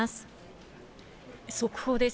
速報です。